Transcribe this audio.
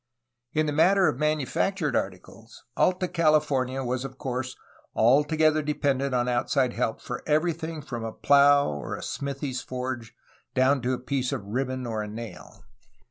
In the matter of manufactured articles Alta California was of course altogether dependent on outside help for every thing from a plough or a smithy's forge down to a piece of ribbon or a nail.